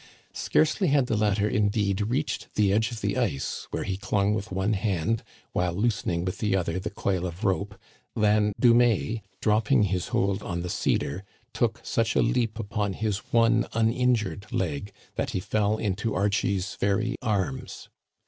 Scarcely had the latter, indeed, reached the edge of the ice, where he clung with one hand while loosening with the other the coil of rope, than Dumais, dropping his hold on the ce dar, took such a leap upon his one uninjured leg that he fell into Archie's very arms.